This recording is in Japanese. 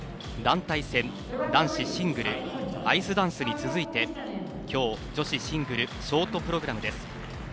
団体戦、男子シングルアイスダンスに続いてきょう女子シングルショートプログラムです。